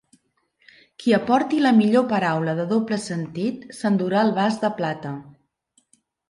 Qui aporti la millor paraula de doble sentit s'endurà el vas de plata.